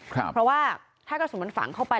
เพราะว่าถ้ากระสุนมันฝังเข้าไป